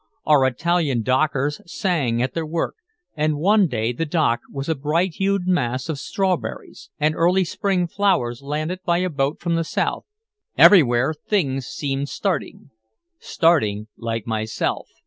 Our Italian dockers sang at their work, and one day the dock was a bright hued mass of strawberries and early Spring flowers landed by a boat from the South. Everywhere things seemed starting starting like myself.